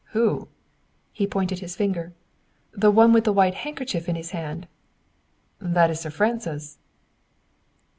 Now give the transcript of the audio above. "Who?" He pointed his finger. "The one with the white handkerchief in his hand." "That is Sir Francis."